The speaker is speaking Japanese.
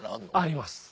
あります。